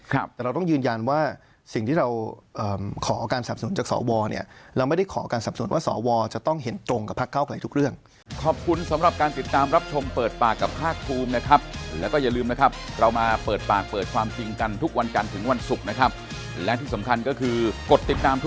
แต่เราต้องยืนยันว่าสิ่งที่เราขอการสับสนุนจากสวเนี่ยเราไม่ได้ขอการสับสนว่าสวจะต้องเห็นตรงกับพักเก้าไกลทุกเรื่อง